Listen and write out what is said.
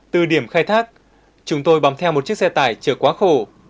từ điểm khay thác chúng tôi bằm theo một chiếc xe tải chở quá khổ